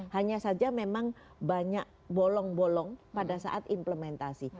hanya saja memang banyak bolong bolong pada saat implementasi